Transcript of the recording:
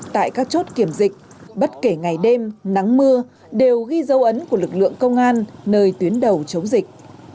tại các chốt kiểm dịch bất kể ngày đêm nắng mưa đều ghi dấu ấn của lực lượng công an nơi tuyến đầu chống dịch